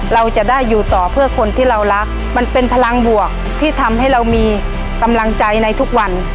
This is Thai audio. เราจะได้อยู่ต่อเพื่อคนที่เรารักมันเป็นพลังบวกที่ทำให้เรามีกำลังใจในทุกวัน